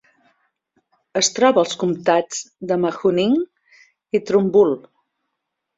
Es troba als comtats de Mahoning i Trumbull.